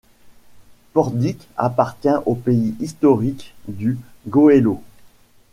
Pordic appartient au pays historique du Goëlo.